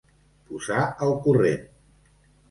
Posar al corrent.